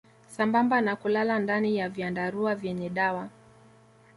Sambamba na kulala ndani ya vyandarua vyenye dawa